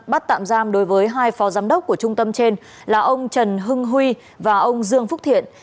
bắt tạm giam đối với hai phó giám đốc của trung tâm trên là ông trần hưng huy và ông dương phúc thiện